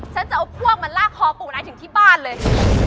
ฉันจะเอาพวกมาลากคอปู่นายถึงที่บ้านเลย